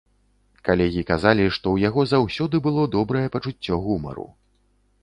Калегі казалі, што ў яго заўсёды было добрае пачуццё гумару.